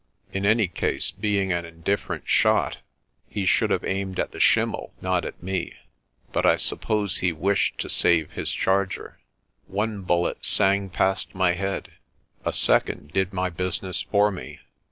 In any case, being an indifferent shot, he should have aimed at the schim mel y not at me; but I suppose he wished to save his charger. One bullet sang past my head; a second did my business for me.